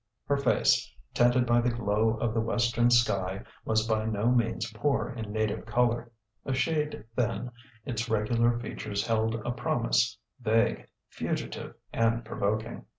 Her face, tinted by the glow of the western sky, was by no means poor in native colour: a shade thin, its regular features held a promise, vague, fugitive, and provoking.